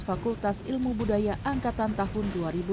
fakultas ilmu budaya angkatan tahun dua ribu enam belas